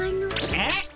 えっ？